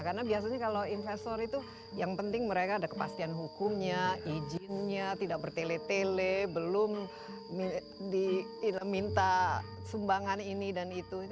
karena biasanya kalau investor itu yang penting mereka ada kepastian hukumnya izinnya tidak bertele tele belum diminta sumbangan ini dan itu